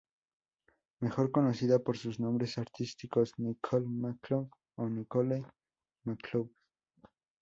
Mejor conocida por sus nombres artísticos Nicole McCloud, o Nicole J. McCloud.